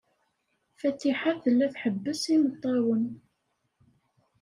Fatiḥa tella tḥebbes imeṭṭawen.